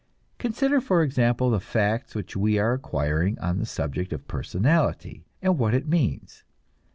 Consider, for example, the facts which we are acquiring on the subject of personality and what it means.